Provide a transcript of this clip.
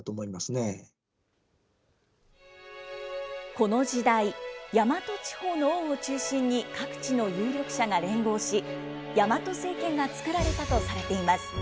この時代、大和地方の王を中心に各地の有力者が連合し、大和政権がつくられたとされています。